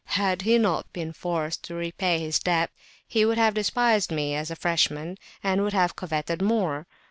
Had he not been forced to repay his debt, he would have despised me as a "freshman," and would have coveted more.